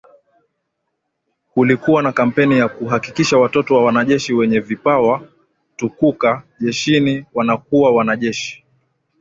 Kulikuwa na kampeni ya kuhakikisha Watoto wa wanajeshi wenye vipawa tukuka jeshini wanakuwa wanajeshi